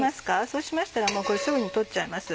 そうしましたらすぐに取っちゃいます。